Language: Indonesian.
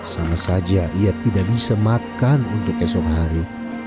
sama saja ia tidak bisa makan untuk esok hari